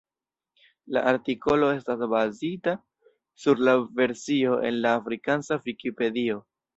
La artikolo estas bazita sur la versio en la afrikansa Vikipedio.